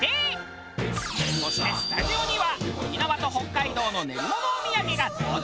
そしてスタジオには沖縄と北海道の練り物お土産が登場。